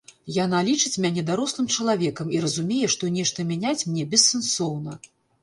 Яна лічыць мяне дарослым чалавекам і разумее, што нешта мяняць мне бессэнсоўна.